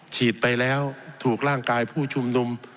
ฉีดไปแล้วถูกร่างกายผู้ชุมนุม